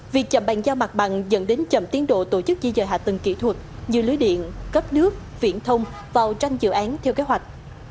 việc chậm bàn giao mặt bằng dẫn đến chậm tiến độ tổ chức di dời hạ tầng kỹ thuật như lưới điện cấp nước viễn thông vào tranh dự án theo kế hoạch